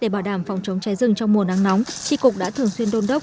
để bảo đảm phòng chống cháy rừng trong mùa nắng nóng tri cục đã thường xuyên đôn đốc